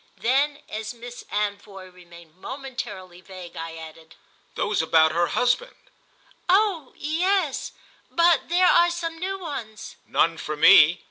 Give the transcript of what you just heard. Then as Miss Anvoy remained momentarily vague I added: "Those about her husband." "Oh yes, but there are some new ones." "None for me.